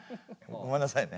ごめんなさいね。